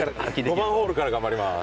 ５番ホールから頑張ります。